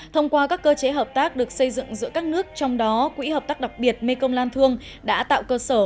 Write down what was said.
thông qua các cơ chế hợp tác được xây dựng giữa các nước trong đó quỹ hợp tác đặc biệt mekong lan thương đã tạo cơ sở